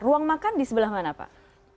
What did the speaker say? ruang makan di sebelah mana pak